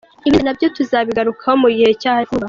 Ibindi na byo tuzabigarukaho mu gihe cya vuba.